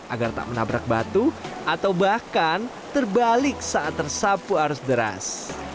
agar tak menabrak batu atau bahkan terbalik saat tersapu arus deras